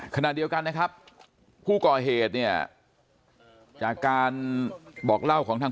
ขณะเดียวกันนะครับผู้ก่อเหตุเนี่ยจากการบอกเล่าของทาง